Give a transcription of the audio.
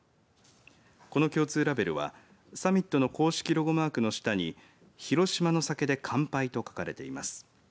この共通ラベルはサミットの公式ロゴマークの下にひろしまの酒で乾杯！と書かれています。